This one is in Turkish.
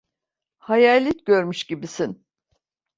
Hayalet görmüş gibisin.